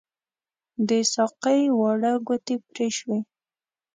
د ساقۍ واړه ګوتې پري شوي